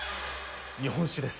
日本酒です。